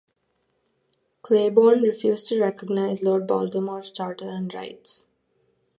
Claiborne refused to recognize Lord Baltimore's charter and rights.